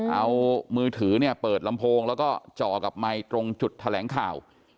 เอามือถือเนี่ยเปิดลำโพงแล้วก็จ่อกับไมค์ตรงจุดแถลงข่าว